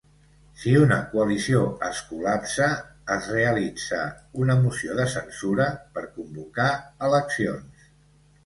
Si una coalició es col·lapsa, es realitza una moció de censura per convocar eleccions.